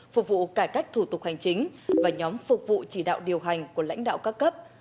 phục vụ cải cách thủ tục hành chính và nhóm phục vụ chỉ đạo điều hành của lãnh đạo các cấp